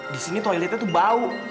di sini toiletnya itu bau